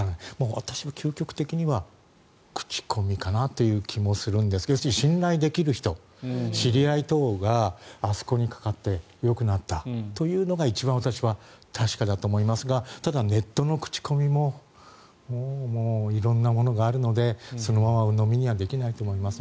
私も究極的には口コミかなという感じがするんですが信頼できる人、知り合い等があそこにかかってよくなったというのが一番、私は確かだと思いますがただ、ネットの口コミももう色んなものがあるのでそのままうのみにはできないと思います。